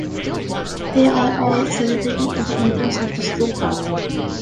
They are all celebrating at the entrance of the stupa.